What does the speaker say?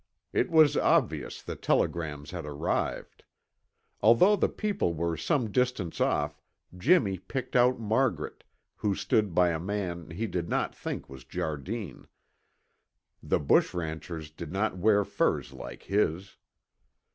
It was obvious the telegrams had arrived. Although the people were some distance off, Jimmy picked out Margaret, who stood by a man he did not think was Jardine; the bush ranchers did not wear furs like his.